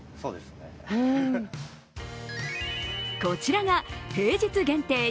こちらが平日限定